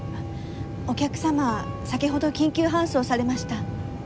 お客様先ほど緊急搬送されました。